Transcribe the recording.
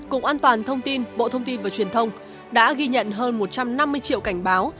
cục an toàn thông tin bộ thông tin và truyền thông đã ghi nhận hơn một trăm năm mươi triệu cảnh báo